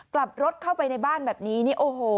กลับรถเข้าไปในบ้านแบบนี้นี่โอ้โห